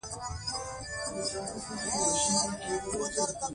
هغوی له خپل کلي څخه راغلي او دلته استوګن شوي